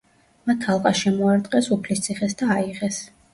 მათ ალყა შემოარტყეს უფლისციხეს და აიღეს.